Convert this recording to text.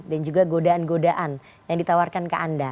dan juga godaan godaan yang ditawarkan ke anda